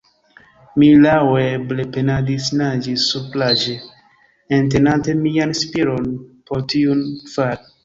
Mi laŭeble penadis naĝi supraĵe, entenante mian spiron, por tiun fari.